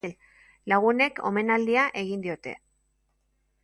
Lagunek omenaldia egin diote.